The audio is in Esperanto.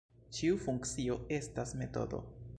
Ĉiu funkcio estas metodo.